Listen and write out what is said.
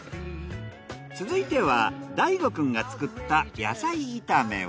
続いては大琥くんが作った野菜炒めを。